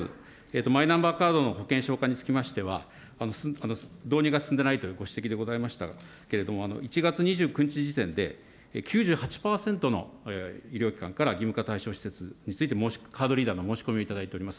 マイナンバーカードの保険証化につきましては、導入が進んでないというご指摘でございましたけれども、１月２９日時点で、９８％の医療機関から義務化対象施設について、カードリーダーの申し込みを頂いております。